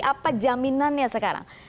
apa jaminannya sekarang